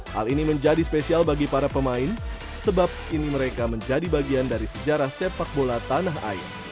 hal ini menjadi spesial bagi para pemain sebab ini mereka menjadi bagian dari sejarah sepak bola tanah air